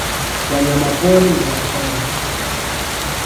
Wanyama pori ni hatari